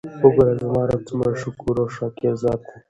وګوره! زما رب څومره شکور او شاکر ذات دی!!؟